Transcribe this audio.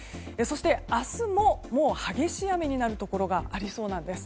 明日も、もう激しい雨になるところがありそうです。